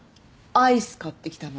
アイス買ってきたの。